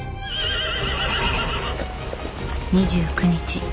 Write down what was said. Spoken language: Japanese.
２９日。